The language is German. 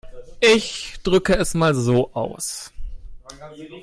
Ich drücke es mal so aus.